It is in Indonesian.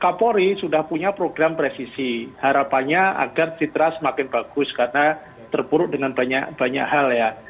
kapolri sudah punya program presisi harapannya agar citra semakin bagus karena terpuruk dengan banyak hal ya